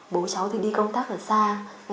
bố cháu thì đi công tác ở xa